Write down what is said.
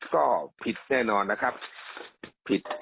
ก็ผิดแน่นอนนะครับนะครับ